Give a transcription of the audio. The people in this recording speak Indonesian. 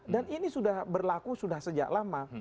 dan ini sudah berlaku sudah sejak lama